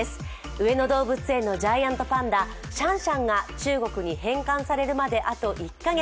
上野動物園のジャイアントパンダシャンシャンが中国に返還されるまであと１か月。